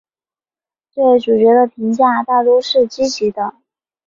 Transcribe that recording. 对主角的评价大都是积极的。